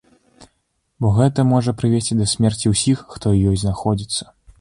Бо гэта можа прывесці да смерці ўсіх, хто ў ёй знаходзіцца.